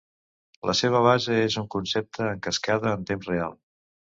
La seva base és un concepte en cascada en temps real.